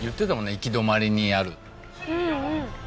行き止まりにある。